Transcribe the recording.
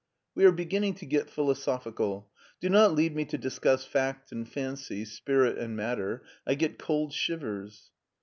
We are beginning to get philosophical Do not lead me to discuss fact and fancy, spirit and matter. I get cold shivers."